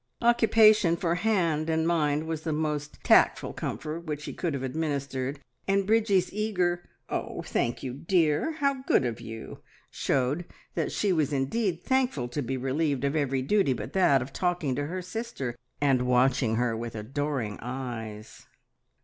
Occupation for hand and mind was the most tactful comfort which he could have administered, and Bridgie's eager, "Oh, thank you, dear! How good of you!" showed that she was indeed thankful to be relieved of every duty but that of talking to her sister and watching her with adoring eyes.